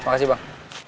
uh makasih bang